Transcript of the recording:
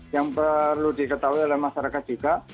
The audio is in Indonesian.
yang perlu diketahui oleh masyarakat juga